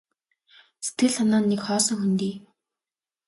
Сэтгэл санаа нь нэг хоосон хөндий.